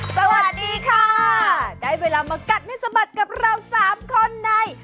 สวัสดีค่ะได้เวลามากัดให้สะบัดกับเราสามคนใน